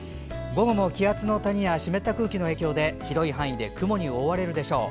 午後も気圧の谷や湿った空気の影響で広い範囲で雲に覆われるでしょう。